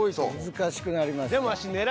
難しくなりますか。